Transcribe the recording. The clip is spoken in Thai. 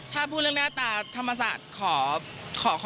ถ้าพูดเรื่องหน้าตาธรรมศาสตร์ขอไม่สู้จุฬาศิษย์แล้วกันค่ะ